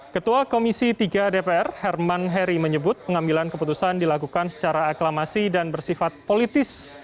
ketua komisi tiga dpr herman heri menyebut pengambilan keputusan dilakukan secara aklamasi dan bersifat politis